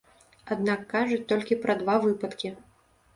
Аднак кажуць толькі пра два выпадкі.